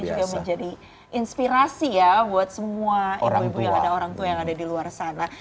jadi semoga ini juga menjadi inspirasi ya buat semua ibu ibu yang ada orang tua yang ada di luar sana